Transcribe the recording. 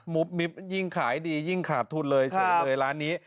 มิบยิ่งขายดียิ่งขาดทุนเลยเฉยเลยร้านนี้